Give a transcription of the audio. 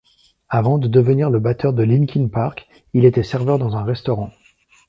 Avant de devenir le batteur de Linkin Park, il était serveur dans un restaurant.